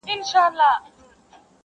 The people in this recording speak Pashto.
د هر وګړي سیوری نه وهي په توره ظالم؛